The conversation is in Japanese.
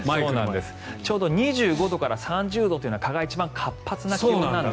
ちょうど２５度から３０度というのは蚊が一番活発になる。